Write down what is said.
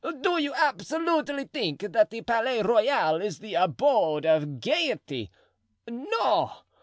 do you absolutely think that the Palais Royal is the abode of gayety? No.